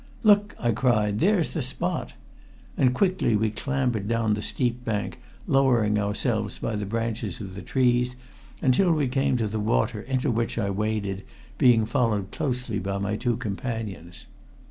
"Look!" I cried. "There's the spot!" And quickly we clambered down the steep bank, lowering ourselves by the branches of the trees until we came to the water into which I waded, being followed closely by my two companions.